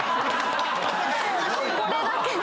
これだけ。